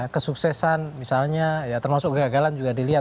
kesuksesan misalnya ya termasuk kegagalan juga dilihat